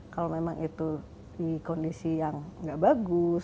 kalau memang itu di kondisi yang nggak bagus